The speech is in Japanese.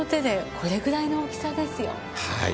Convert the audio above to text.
はい。